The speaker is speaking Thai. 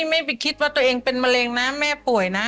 ไม่ไปคิดว่าตัวเองเป็นมะเร็งนะแม่ป่วยนะ